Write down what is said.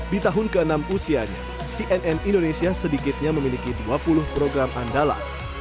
di tahun ke enam usianya cnn indonesia sedikitnya memiliki dua puluh program andalan